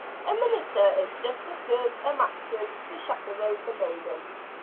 A minister is just as good as a matron to chaperon the maiden.